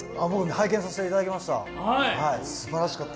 拝見させていただきました。